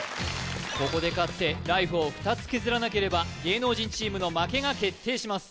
ここで勝ってライフを２つ削らなければ芸能人チームの負けが決定します